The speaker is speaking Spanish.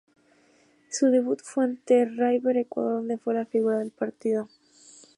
Su debut fue ante River Ecuador donde fue la figura del partido.